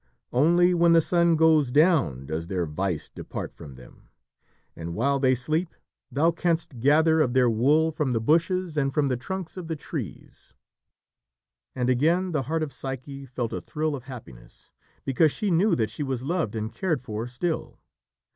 Only when the sun goes down does their vice depart from them, and while they sleep thou canst gather of their wool from the bushes and from the trunks of the trees." And again the heart of Psyche felt a thrill of happiness, because she knew that she was loved and cared for still.